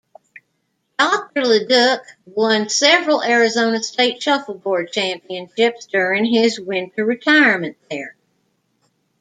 Doctor Leduc won several Arizona state shuffleboard championships during his winter retirement there.